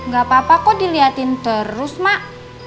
gak apa apa kok dilihatin terus mak